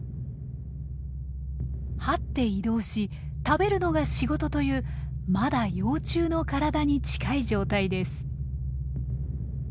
はって移動し食べるのが仕事というまだ幼虫の体に近い状態です。